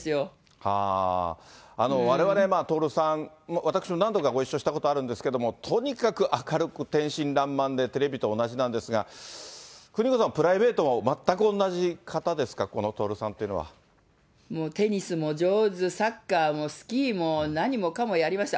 われわれ、徹さん、私も何度かご一緒したことあるんですけれども、とにかく明るく、天真らんまんで、テレビと同じなんですが、邦子さん、プライベートも全く同じ方ですか、この徹さんというのは。テニスも上手、サッカーもスキーも、もう何もかもやりました。